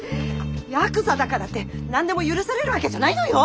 ヤクザだからって何でも許されるわけじゃないのよ！